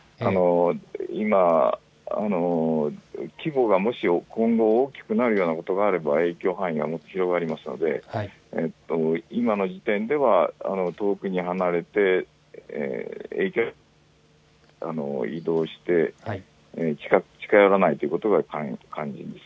今、規模が今後、大きくなるようなことがあれば影響は広がりますので今の時点では遠くに離れて移動して近寄らないということが肝心です。